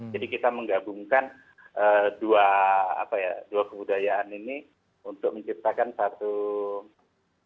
jadi kita menggabungkan dua kebudayaan ini untuk menciptakan satu budaya khas untuk morenin